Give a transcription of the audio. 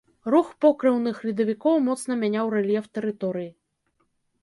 Рух покрыўных ледавікоў моцна мяняў рэльеф тэрыторыі.